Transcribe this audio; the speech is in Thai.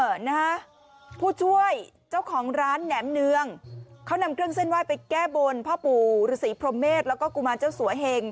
นะฮะผู้ช่วยเจ้าของร้านแหนมเนืองเขานำเครื่องเส้นไหว้ไปแก้บนพ่อปู่ฤษีพรมเมษแล้วก็กุมารเจ้าสัวเหง